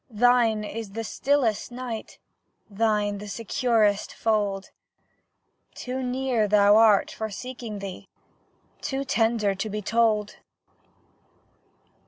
Thine is the stillest night, Thine the securest fold; Too near thou art for seeking thee, Too tender to be told.